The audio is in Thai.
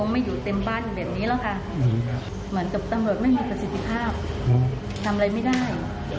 ไม่มีความสิทธิภาพทำอะไรไม่ได้